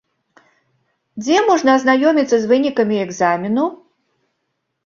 Дзе можна азнаёміцца з вынікамі экзамену?